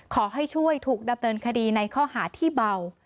ขอให้ช่วยถูกดำเนินคดีในข้อหาที่เบา